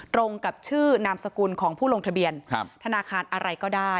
ตรงกับชื่อนามสกุลของผู้ลงทะเบียนธนาคารอะไรก็ได้